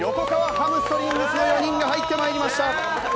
ハムストリングスの４人が入ってまいりました。